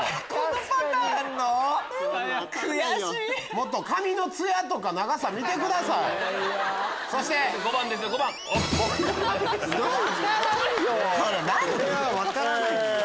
もっと髪のツヤとか長さ見てください！分からんよ！